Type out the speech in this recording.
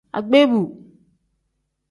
Agbeebu.